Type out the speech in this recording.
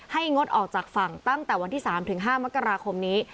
งดออกจากฝั่งตั้งแต่วันที่๓๕มกราคมนี้